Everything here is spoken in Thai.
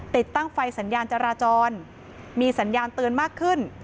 ติดตั้งไฟสัญญาณจราจรมีสัญญาณเตือนมากขึ้น